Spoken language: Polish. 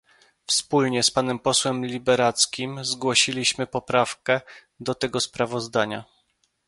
Wspólnie z panem posłem Liberadzkim zgłosiliśmy poprawkę do tego sprawozdania